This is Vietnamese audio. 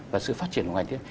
và sự phát triển của ngành tiên